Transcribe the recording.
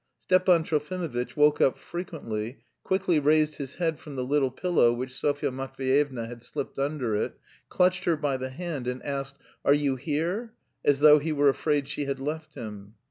Stepan Trofimovitch woke up frequently, quickly raised his head from the little pillow which Sofya Matveyevna had slipped under it, clutched her by the hand and asked "Are you here?" as though he were afraid she had left him.